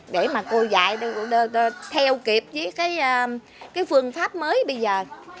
để mà cô dạy theo kịp với cái phương pháp mới bây giờ